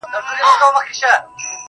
په ټوله کلي کي د دوو خبرو څوک نه لري~